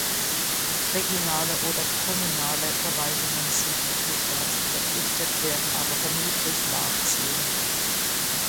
Regionale oder kommunale Verwaltungen sind noch nicht dazu verpflichtet, werden aber vermutlich nachziehen.